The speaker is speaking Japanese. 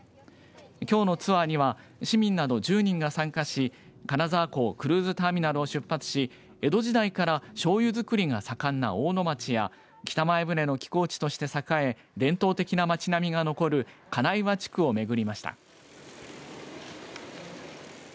きょうのツアーには市民など１０人が参加し金沢港クルーズターミナルを出発し江戸時代からしょうゆづくりが盛んな大野町や北前船の寄港地として栄え伝統的な町並みが残る金石地区を巡りました。